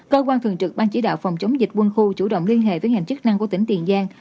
cơ quan thường trực ban chỉ đạo phòng chống dịch quân khu chủ động liên hệ với ngành chức năng của tỉnh tiền giang